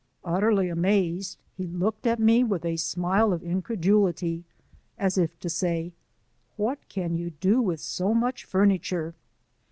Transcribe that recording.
Utterly amazed, he looked at me with a smile of incredulity, as if to say, " What can you do with so much furniture?"